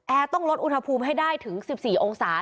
ต้องลดอุณหภูมิให้ได้ถึง๑๔องศา